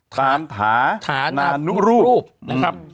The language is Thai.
ถามถานานุปรูปนะครับ